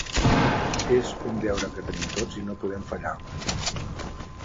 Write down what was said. És un deure que tenim tots i no podem fallar.